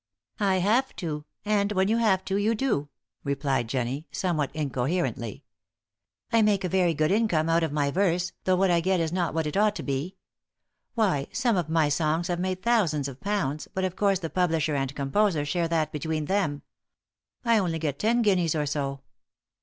"I have to, and when you have to you do," replied Jennie, somewhat incoherently. "I make a very good income out of my verse, though what I get is not what it ought to be. Why, some of my songs have made thousands of pounds, but of course the publisher and composer share that between them. I only get ten guineas or so."